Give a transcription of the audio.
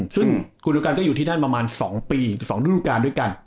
ซึ่งคุณดูกันก็อยู่ที่นั่นประมาณ๒ปี๒ฤดูการด้วยกัน